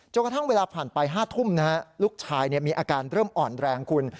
กระทั่งเวลาผ่านไป๕ทุ่มลูกชายมีอาการเริ่มอ่อนแรงคุณ